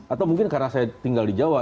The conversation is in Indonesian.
atau mungkin karena saya tinggal di jawa